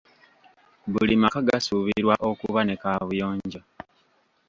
Buli maka gasuubirwa okuba ne kaabuyonjo.